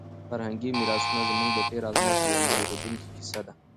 فرهنګي میراثونه زموږ د تېر عظمت یوه نه هېرېدونکې کیسه ده.